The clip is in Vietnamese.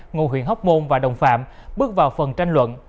ngụ huyện hóc môn và đồng phạm bước vào phần tranh luận